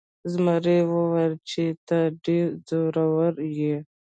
زمري وویل چې ته ډیر زړور یې.